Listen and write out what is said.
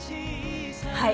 はい。